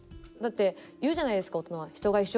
だって言うじゃないですか大人は。